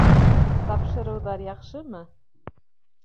Тапшырыуҙар яҡшымы?